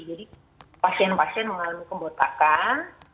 jadi pasien pasien mengalami kebotakan